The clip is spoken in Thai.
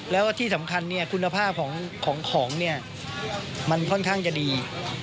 แล้วก็ที่สำคัญคุณภาพของเนี่ยมันค่อนข้างจะดี